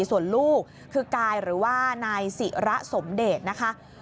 ส่วนลูกคือกายหรือว่านายศิระสมเดชนะคะ